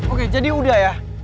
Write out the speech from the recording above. oke jadi udah ya